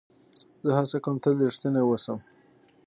زه هڅه کوم تل رښتینی واوسم.